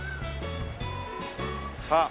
さあ。